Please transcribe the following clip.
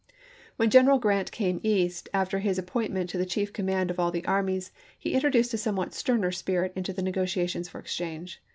When General Grant came East, after his ap pointment to the chief command of all the armies, he introduced a somewhat sterner spirit into the negotiations for exchange.